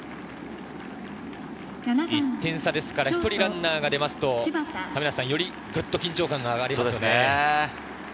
１点差ですから、１人ランナーが出るとより緊張感が上がります。